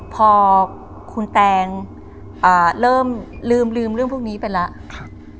พอคุณแตงเริ่มลืมเรื่องพวกนี้ไปแล้ว